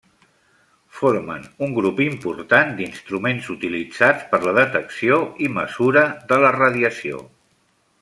Formen un grup important d'instruments utilitzats per la detecció i mesura de la radiació.